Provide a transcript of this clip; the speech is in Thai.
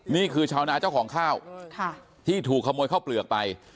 นี่คือชาวนาเจ้าของข้าวที่ถูกขโมยข้าวเปลือกไป